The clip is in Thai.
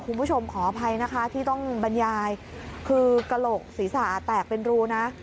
คุณผู้ชมขออภัยนะคะที่ต้องบรรยายคือกระโหลกศีรษะแตกเป็นรูนะ